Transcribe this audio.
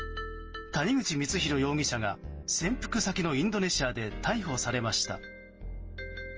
谷口光弘容疑者が潜伏先のインドネシアで逮捕されました。